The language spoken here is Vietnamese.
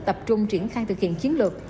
tập trung triển khai thực hiện chiến lược